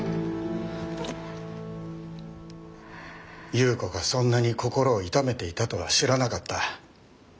夕子がそんなに心をいためていたとは知らなかった。